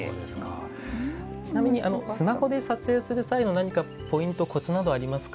ちなみにスマホで撮影する際の何かポイントコツなどはありますか？